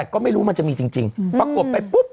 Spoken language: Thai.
ก็ไม่รู้มันจะมีจริงปรากฏไปปุ๊บ